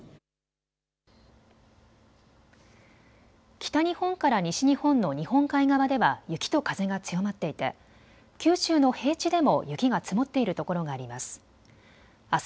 北日本から西日本の日本海側では雪と風が強まっていて九州の平地でも雪が積もっているところがあります。